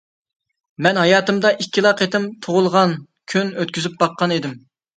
مەن ھاياتىمدا ئىككىلا قېتىم تۇغۇلغان كۈن ئۆتكۈزۈپ باققان ئىدىم.